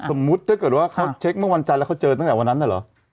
สมมุติถ้าเกิดว่าเขาเช็คเมื่อวันจันทร์แล้วเขาเจอตั้งแต่วันนั้นน่ะเหรอ